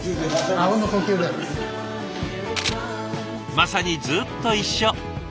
まさにずっと一緒。